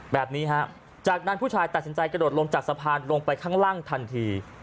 แบบนี้ฮะจากนั้นผู้ชายตัดสินใจกระโดดลงจากสะพานลงไปข้างล่างทันที